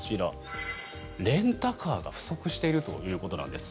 レンタカーが不足しているということなんです。